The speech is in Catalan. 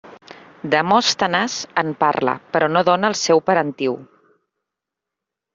Demòstenes en parla però no dóna el seu parentiu.